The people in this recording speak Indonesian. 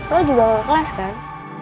lo juga mau ke kelas kan